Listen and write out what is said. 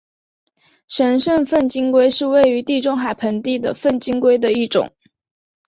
神圣粪金龟是位于地中海盆地的粪金龟的一种。